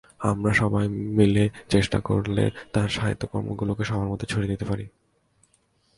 আমরা সবাই মিলে চেষ্টা করলে তাঁর সাহিত্যকর্মগুলোকে সবার মধ্যে ছড়িয়ে দিতে পারব।